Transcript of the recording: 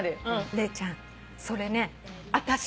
レイちゃんそれね私。